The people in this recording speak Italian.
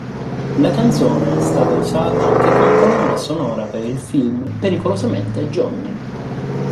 La canzone è stata usata anche come colonna sonora per il film "Pericolosamente Johnny".